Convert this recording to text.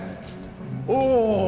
おお！